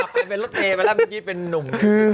อ๋อเตะไปแล้วมันกิจี่งเป็นหนุ่ม